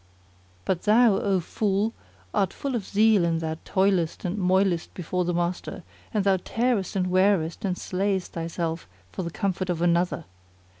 [FN#28] But thou, O fool, art full of zeal and thou toilest and moilest before the master; and thou tearest and wearest and slayest thy self for the comfort of another.